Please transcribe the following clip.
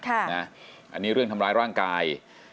อันนี้เรื่องทำร้ายร่างกาย